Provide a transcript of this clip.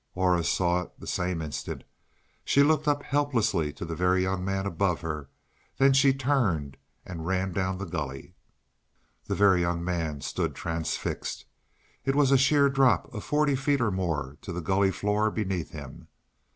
Aura saw it the same instant. She looked up helplessly to the Very Young Man above her; then she turned and ran down the gully. The Very Young Man stood transfixed. It was a sheer drop of forty feet or more to the gully floor beneath him.